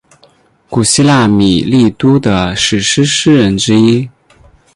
古希腊米利都的史诗诗人之一。